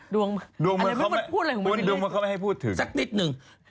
ดวงเมืองเขาไม่ทำได้บอกว่าสักนิดหนึ่งดิดากมิวตพูดอะไรของอะ